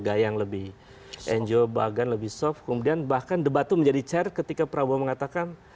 gaya yang lebih enjobagan lebih soft kemudian bahkan debat menjadi cari ketika prabowo mengatakan